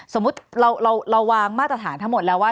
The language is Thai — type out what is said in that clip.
สมมุติเราวางมาตรฐานทั้งหมดแล้วว่า